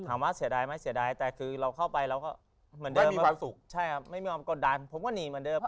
ถามว่าเสียดายไม่เสียดายแต่คือเราเข้าไปเราก็ไม่มีความสุขไม่มีความกดดันผมก็หนีเหมือนเดิม